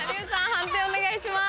判定お願いします。